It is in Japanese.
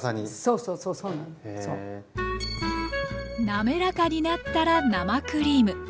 滑らかになったら生クリーム。